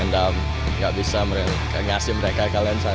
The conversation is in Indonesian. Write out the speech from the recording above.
dan gak bisa ngasih mereka ke lensa